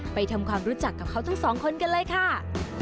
ไปทำความรู้จักกับเขาทั้งสองคนกันเลยค่ะ